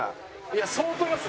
いや相当います。